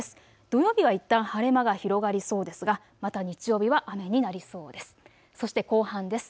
土曜日はいったん晴れ間が広がりそうですがまた日曜日は雨になりそうです。